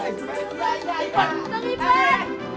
masuk aja irifan